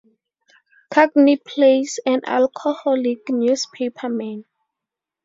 Cagney plays an alcoholic newspaperman.